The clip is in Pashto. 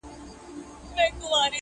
د ده کور د ننګرهار د فرهنګيانو.